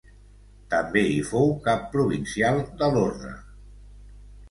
També hi fou cap provincial de l'orde.